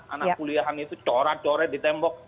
anak kuliahan itu corak coret di tembok